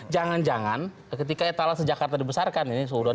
jangan jangan ketika etalase jakarta dibesarkan